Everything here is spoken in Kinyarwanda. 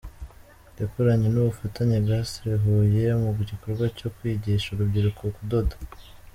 Yakoranye n’Ubufatanye Castre-Huye mu gikorwa cyo kwigisha urubyiruko kudoda.